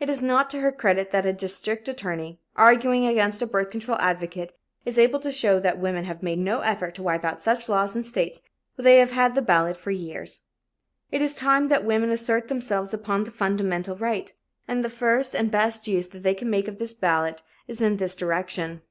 It is not to her credit that a district attorney, arguing against a birth control advocate, is able to show that women have made no effort to wipe out such laws in states where they have had the ballot for years. It is time that women assert themselves upon this fundamental right, and the first and best use they can make of the ballot is in this direction.